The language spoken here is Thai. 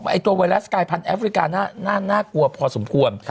ไอตัวไวรัสกายพันธแอฟริกาน่ากลัวพอสมควร